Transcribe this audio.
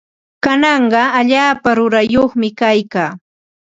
Kanaqa allaapa rurayyuqmi kaykaa.